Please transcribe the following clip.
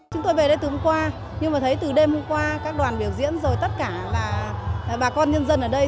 chúng tôi về đây từ hôm qua nhưng mà thấy từ đêm hôm qua các đoàn biểu diễn rồi tất cả là bà con nhân dân ở đây